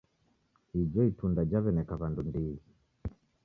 Ijo itunda jaw'eneka w'andu ndighi.